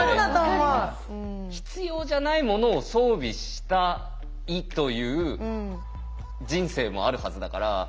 必要じゃないものを装備したいという人生もあるはずだから。